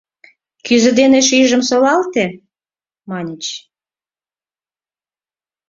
— Кӱзӧ дене шӱйжым солалте! — маньыч.